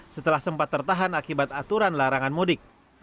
setelah sempat tertahan akibat aturan larangan mudik